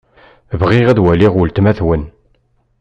Bɣiɣ ad waliɣ weltma-twen.